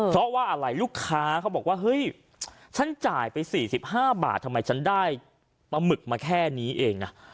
เพราะว่าอะไรลูกค้าเขาบอกว่าเฮ้ยฉันจ่ายไป๔๕บาททำไมฉันได้ปลาหมึกมาแค่นี้เองนะ